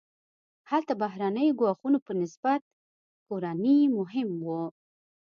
هلته بهرنیو ګواښونو په نسبت کورني مهم وو.